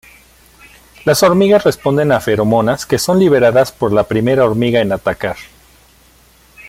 Las hormigas responden a feromonas que son liberadas por la primera hormiga en atacar.